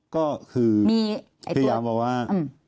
ก็คือพี่ย้ำบอกว่า